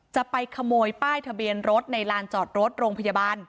จะไปขโมยป้ายทะเบียนรถในลานจอดรถโรงพยาบาล